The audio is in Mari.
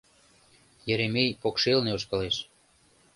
Еремей покшелне ошкылеш.